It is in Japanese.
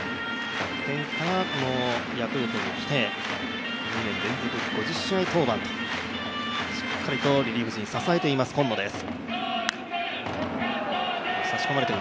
ヤクルトに来て、２年連続５０試合登板と、しっかりとリリーフ陣を支えている今野です。